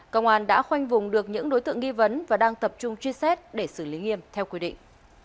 công an đã khoanh vùng được những đối tượng nghi vấn và đang tập trung truy xét để xử lý nghiêm theo quy định